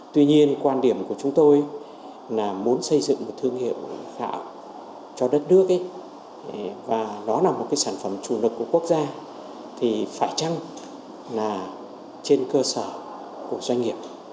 tuy nhiên quan điểm của chúng tôi là muốn xây dựng một thương hiệu gạo cho đất nước và nó là một cái sản phẩm chủ lực của quốc gia thì phải chăng là trên cơ sở của doanh nghiệp